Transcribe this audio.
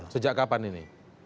sejak kapan ini